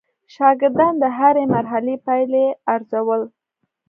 شاګردان د هره مرحله پایلې ارزول.